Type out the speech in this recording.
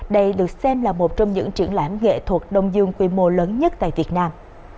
đây được xem là một trong những triển lãm nghệ thuật đông dương quy mô lớn nhất tại việt nam